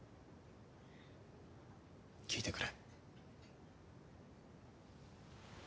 聞いてくれ。